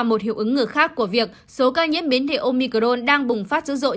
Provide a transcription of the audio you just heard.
một hiệu ứng người khác của việc số ca nhiễm biến thể omicron đang bùng phát dữ dội